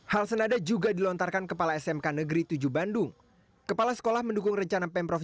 hal senada juga dilontarkan kepala smk negeri tujuh bandung kepala sekolah mendukung rencana pemprov